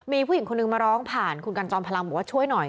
มีผู้หญิงคนนึงมาร้องผ่านคุณกันจอมพลังบอกว่าช่วยหน่อย